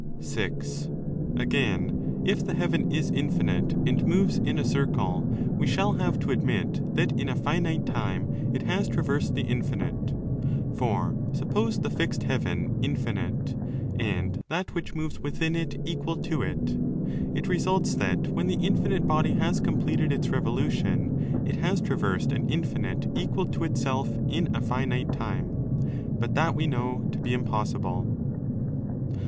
® (6) Again, if the heaven is infinite and moves in a circle, 30 we shall have to admit that in a finite time it has traversed the infinite. For suppose the fixed heaven infinite, and that which moves within it equal to it. It results that when the infinite body has completed its revolution, it has traversed an infinite equal to itself in a finite time. But 273? that we know to be impossible.